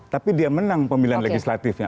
tapi dia menang pemilihan legislatifnya